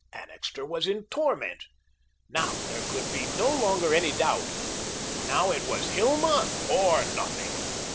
Annixter was in torment. Now, there could be no longer any doubt now it was Hilma or nothing.